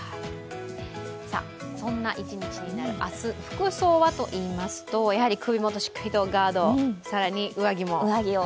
そんな一日になる明日、服装はといいますと、首元をしっかりとガード、更に上着を？